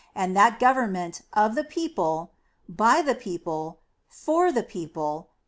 and that government of the people. . .by the people. . .for the people. .